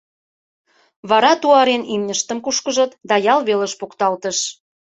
Вара, туарен, имньыштым кушкыжыт да ял велыш покталтыш.